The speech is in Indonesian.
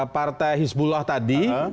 partai hizbullah tadi